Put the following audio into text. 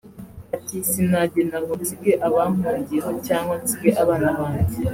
ati “sinagenda ngo nsige abampungiyeho cyangwa nsige abana banjye